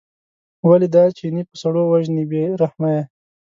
ولې دا چینی په سړو وژنې بې رحمه یې.